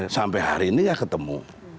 sampai hari ini ya ketemu